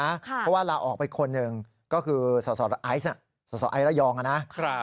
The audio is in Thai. เพราะว่าลาออกไปคนหนึ่งก็คือสไอร์ยองนะ